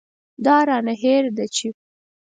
دا رانه هېره ده چې.